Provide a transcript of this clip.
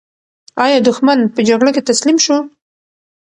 ایا دښمن په جګړه کې تسلیم شو؟